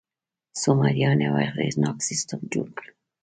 سومریان یو اغېزناک سیستم جوړ کړ.